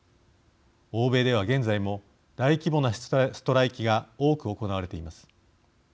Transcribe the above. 欧米では、現在も大規模なストライキが多く行われています。